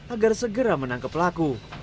agar segera menangkap pelaku